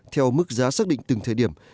theo mức giá xác định từng thời điểm